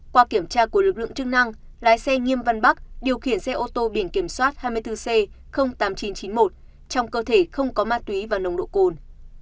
qua kiểm tra của lực lượng chức năng lái xe nghiêm văn bắc điều khiển xe ô tô biển kiểm soát hai mươi bốn c tám nghìn chín trăm chín mươi một trong cơ thể không có ma túy và nồng độ cồn